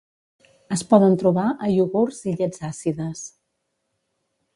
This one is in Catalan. Es poden trobar a iogurts i llets àcides.